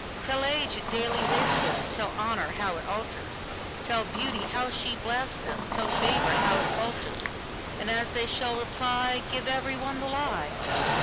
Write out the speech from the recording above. Tell age it daily wasteth; Tell honour how it alters; Tell beauty how she blasteth; Tell favour how it falters:And as they shall reply, Give every one the lie.